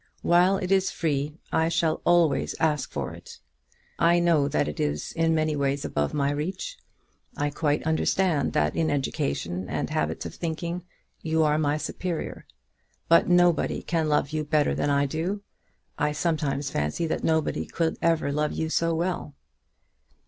While it is free I shall always ask for it. I know that it is in many ways above my reach. I quite understand that in education and habits of thinking you are my superior. But nobody can love you better than I do. I sometimes fancy that nobody could ever love you so well.